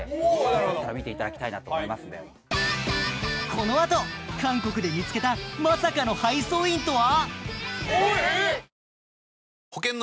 このあと韓国で見つけたまさかの配送員とは？